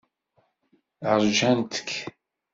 Rjant-k.